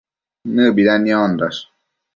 Nëbida niondash